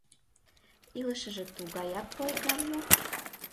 — Илышыже тугаяк ойган мо?